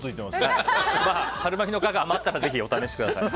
春巻きの皮が余ったらぜひお試しください。